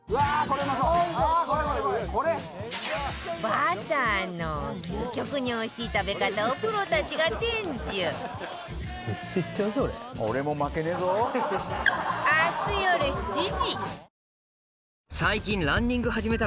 バターの究極においしい食べ方をプロたちが伝授